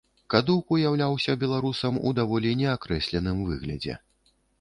Кадук уяўляўся беларусам у даволі неакрэсленым выглядзе.